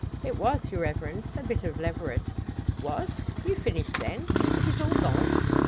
"It was, your Reverence, a bit of leveret." "Was! You've finished then. It is all gone?"